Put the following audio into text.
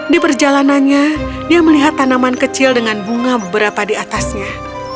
di perjalanannya dia melihat tanaman kecil dengan bunga beberapa di atasnya